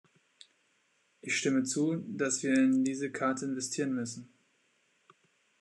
Ich stimme zu, dass wir in diese Karte investieren müssen.